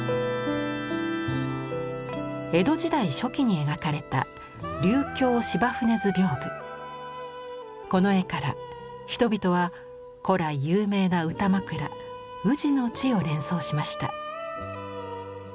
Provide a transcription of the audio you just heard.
江戸時代初期に描かれたこの絵から人々は古来有名な歌枕「宇治」の地を連想しました。